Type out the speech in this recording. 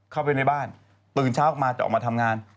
เข้าไปในบ้านตื่นเช้าออกมาจะออกมาทำงาน